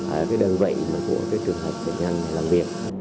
ở đơn vị của trường hợp bệnh nhân làm việc